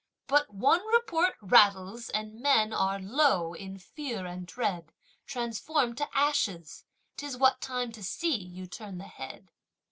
But one report rattles, and men are lo! in fear and dread; Transformed to ashes 'tis what time to see you turn the head.